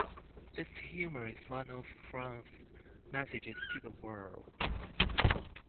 This humor is one of France's messages to the world.